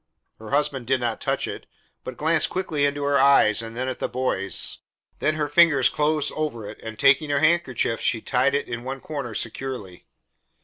Her husband did not touch it, but glanced quickly into her eyes and then at the boys. Then her fingers closed over it, and taking her handkerchief she tied it in one corner securely.